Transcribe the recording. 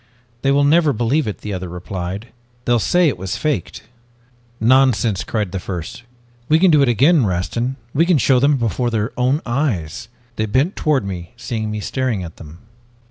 "'They will never believe it,' the other replied. 'They'll say it was faked.' "'Nonsense!' cried the first. 'We can do it again, Rastin; we can show them before their own eyes!' "They bent toward me, seeing me staring at them.